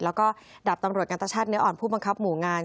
แล้วก็ดาบตำรวจกันตชาติเนื้ออ่อนผู้บังคับหมู่งาน